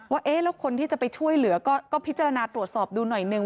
เอ๊ะแล้วคนที่จะไปช่วยเหลือก็พิจารณาตรวจสอบดูหน่อยนึง